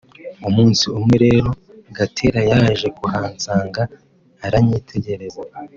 Umunsi umwe rero Gatera yaje kuhansanga aranyitegereza